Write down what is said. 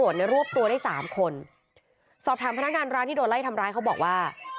ในรวบตัวได้สามคนสอบถามพนักงานร้านที่โดนไล่ทำร้ายเขาบอกว่า